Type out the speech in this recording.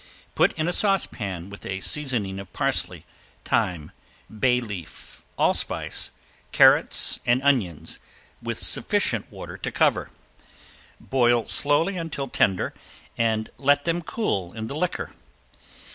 Put in a saucepan with a seasoning of parsley, thyme, bay leaf, allspice, carrots and onions, with sufficient water to cover. Boil slowly until tender, and let them cool in the liquor.